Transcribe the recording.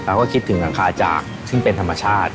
เราก็คิดถึงอาคารจากซึ่งเป็นธรรมชาติ